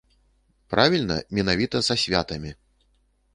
Правільна, менавіта са святамі.